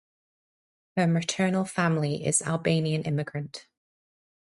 Her maternal family is Albanian immigrant.